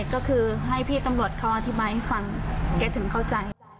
ก็คือให้พี่ตำรวจเขาอธิบายให้ฟังแกถึงเข้าใจ